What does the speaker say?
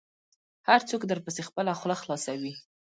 هر څوک درپسې خپله خوله خلاصوي .